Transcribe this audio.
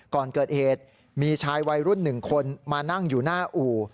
ก่อนเกิดเหตุมีชายวัยรุ่น๑คนมานั่งอยู่หน้าอู่